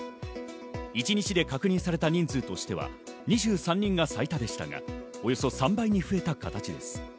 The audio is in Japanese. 一日で確認された人数としては２３人が最多でしたが、およそ３倍に増えた形です。